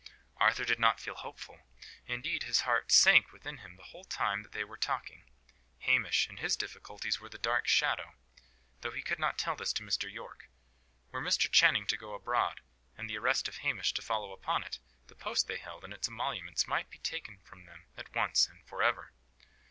Arthur did not feel hopeful; indeed his heart sank within him the whole time that they were talking. Hamish and his difficulties were the dark shadow; though he could not tell this to Mr. Yorke. Were Mr. Channing to go abroad, and the arrest of Hamish to follow upon it, the post they held, and its emoluments, might be taken from them at once and for ever.